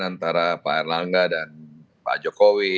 antara pak erlangga dan pak jokowi